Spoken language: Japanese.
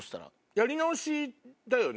やり直しだよね？